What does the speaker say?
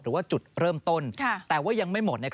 หรือว่าจุดเริ่มต้นแต่ว่ายังไม่หมด